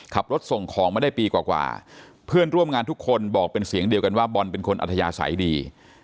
ขับรถส่งของมาได้ปีกว่าเพื่อนร่วมงานทุกคนบอกเป็นเสียงเดียวกันว่าบอลเป็นคนอัธยาศัยดี